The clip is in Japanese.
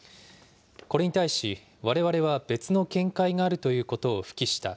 これに対し、われわれは別の見解があるということを付記した。